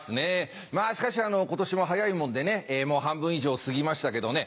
まぁしかし今年も早いもんで半分以上過ぎましたけどね。